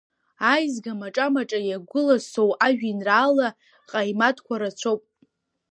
Аизга Маҿа-маҿа иагәыласоу ажәеинраала ҟаимаҭқәа рацәоуп…